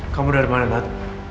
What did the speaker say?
kamu dari mana nat